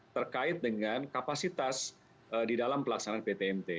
terkait dengan kapasitas di dalam pelaksanaan ptmt